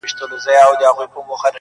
بل ځل یې شمالي ولایاتو کې